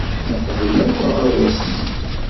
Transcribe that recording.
Neqbel akk aɣawas-nni.